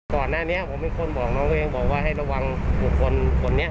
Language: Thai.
ก่อนหน้านี้ผมเป็นคนบอกน้องเองบอกว่าให้ระวังบุคคลคนนี้